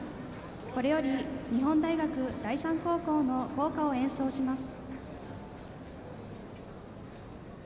これより日本大学第三高校の校歌を演奏します。